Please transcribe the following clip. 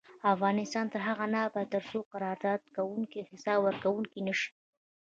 افغانستان تر هغو نه ابادیږي، ترڅو قرارداد کوونکي حساب ورکوونکي نشي.